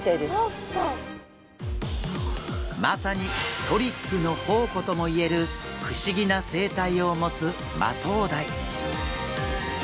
まさにトリックの宝庫ともいえる不思議な生態を持つマトウダイ。